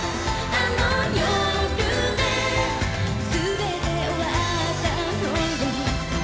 あの夜で全て終わったのよ